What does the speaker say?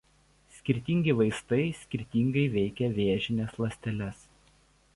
Skirtingi vaistai skirtingai veikia vėžines ląsteles.